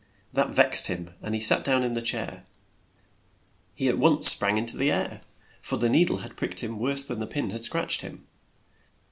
That vexed him and he sat down in the chair. He at once sprang in to the air, for the nee dle had pricked him worse than the pin had scratched him.